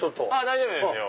大丈夫ですよ。